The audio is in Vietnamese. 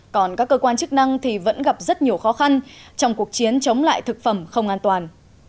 còn các cơ quan chức năng thì vẫn gặp rất nhiều khó khăn trong cuộc chiến chống lại thực phẩm không an toàn